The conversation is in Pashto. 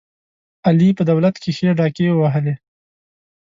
علي په دولت کې ښې ډاکې ووهلې.